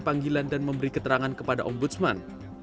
panggilan dan memberi keterangan kepada ombudsman